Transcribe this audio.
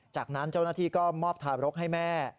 จากนั้นเจ้าหน้าที่ก็มอบทารกให้แม่